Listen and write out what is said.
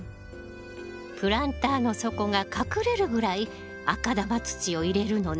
プランターの底が隠れるぐらい赤玉土を入れるのね。